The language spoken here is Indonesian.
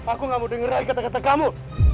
aku gak mau dengerin kata kata kamu